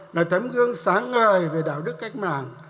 là thấm gương sáng ngời về đạo đức cách mạng